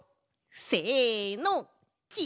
せのき